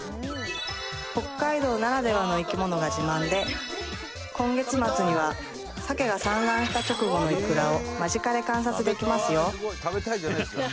北海道ならではの生き物が自慢で今月末にはサケが産卵した直後のイクラを間近で観察できますよ